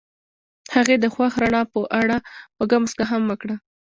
هغې د خوښ رڼا په اړه خوږه موسکا هم وکړه.